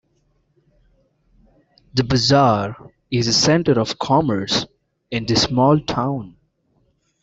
The bazaar is the center of commerce, in the small town.